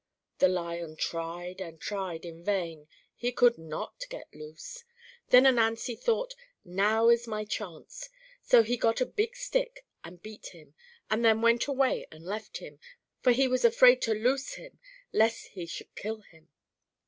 The Lion tried and tried in vain he could not get loose. Then Ananzi thought, now is my chance; so he got a big stick and beat him, and then went away and left him, for he was afraid to loose him lest he should kill him.